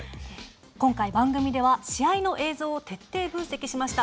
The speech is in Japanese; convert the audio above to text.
今回番組では試合の映像を徹底分析しました。